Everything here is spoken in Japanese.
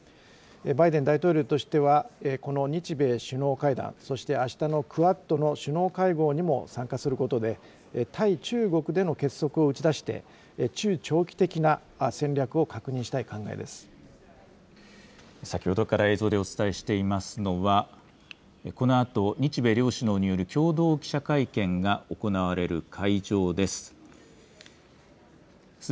バイデン大統領としては、この日米首脳会談、そしてあしたのクアッドの首脳会合にも参加することで、対中国での結束を打ち出して、中長期的な戦略を確認したい考え先ほどから映像でお伝えしていますのは、このあと日米両首脳による共同記者会見が行われる会場です。